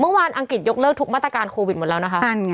อังกฤษยกเลิกทุกมาตรการโควิดหมดแล้วนะคะ